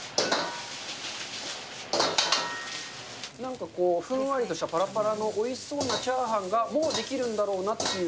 なんかこう、ふんわりとしたぱらぱらのおいしそうなチャーハンがもう出来るんだろうなっていう